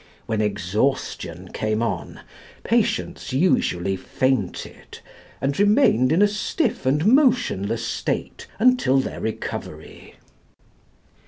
When exhaustion came on patients usually fainted, and remained in a stiff and motionless state until their recovery.